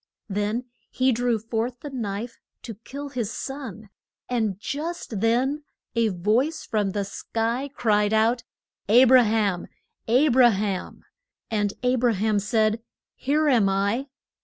Then he drew forth the knife to kill his son. And just then a voice from the sky cried out, A bra ham! A bra ham! And A bra ham said, Here am I.